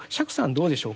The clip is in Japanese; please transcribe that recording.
どうでしょうか。